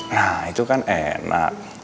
nah itu kan enak